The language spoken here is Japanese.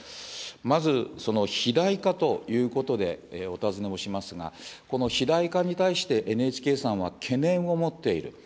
まずその肥大化ということでお尋ねをしますが、この肥大化に対して、ＮＨＫさんは懸念を持っている。